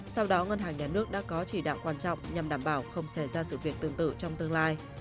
sau đó ngân hàng nhà nước đã có chỉ đạo quan trọng nhằm đảm bảo không xảy ra sự việc tương tự trong tương lai